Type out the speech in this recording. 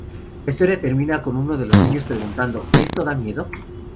La historia termina con uno de los niños preguntando, "¿Esto da miedo?